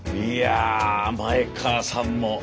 いや前川さんも。